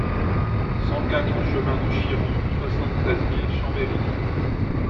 cent quatre chemin de Chiron, soixante-treize mille Chambéry